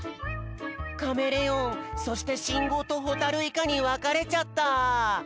カメレオンそしてしんごうとほたるいかにわかれちゃった。